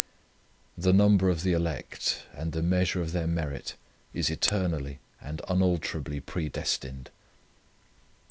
The number of the elect and the measure of their merit is eternally and unalterably predestined.